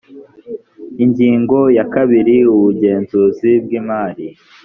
ingingo ya kabiri ubugenzuzi bw imari